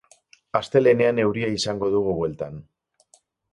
Astelehenean euria izango dugu bueltan.